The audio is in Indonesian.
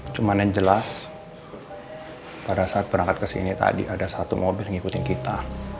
cuman yang jelas pada saat berangkat ke sini tadi ada satu mobil ngikutin kita